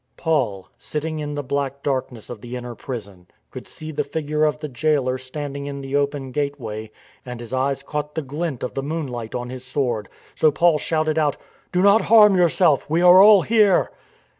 Paul, sitting in the black darkness of the inner prison, could see the figure of the jailer standing in the open gateway, and his eyes caught the glint of the moonlight on his sword. So Paul shouted out :" Do not harm yourself. We are all here."